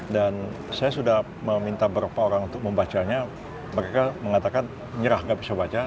dan saya sudah meminta beberapa orang untuk membacanya mereka mengatakan nyerah tidak bisa baca